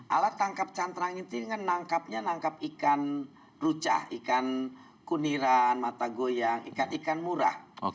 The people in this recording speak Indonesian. alat tangkap cantrang itu dengan tangkapnya ikan rucah ikan kuniran mata goyang ikan ikan murah